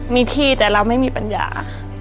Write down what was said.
มีที่แต่เราไม่มีปัญญา